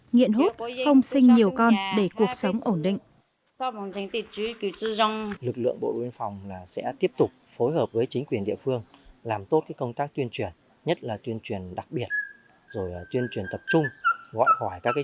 nghiện hút không sinh nhiều con để cuộc sống ổn định